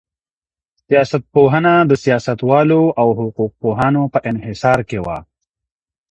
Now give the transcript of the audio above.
سياستپوهنه د سياستوالو او حقوقپوهانو په انحصار کي وه.